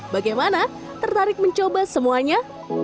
bagaimana tertarik mencoba semuanya